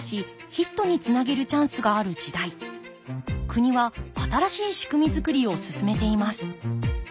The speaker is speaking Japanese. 国は新しい仕組み作りを進めています。